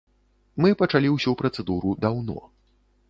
Мы пачалі ўсю працэдуру даўно.